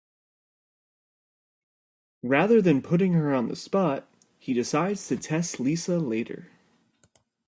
Rather than putting her on the spot, he decides to test Lisa later.